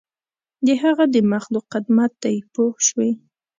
د هغه د مخلوق خدمت دی پوه شوې!.